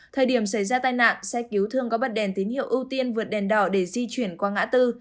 thời điểm xảy ra tai nạn xe cứu thương có bật đèn tín hiệu ưu tiên vượt đèn đỏ để di chuyển qua ngã tư